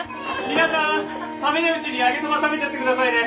皆さん冷めないうちに揚げそば食べちゃって下さいね！